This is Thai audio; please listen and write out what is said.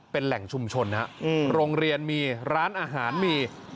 เป็นแหล่งชุมชนฮะโรงเรียนมีร้านอาหารมี